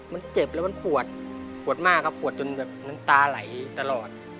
มันเจ็บแล้วมันปวดปวดมากครับปวดจนแบบน้ำตาไหลตลอด